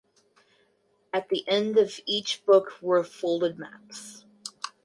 At the end of each book were folded maps.